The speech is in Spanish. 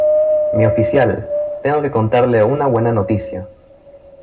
mi oficial, tengo que contarle una buena noticia.